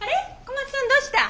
小松さんどうした？